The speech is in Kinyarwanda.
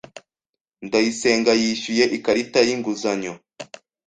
Ndayisenga yishyuye ikarita yinguzanyo.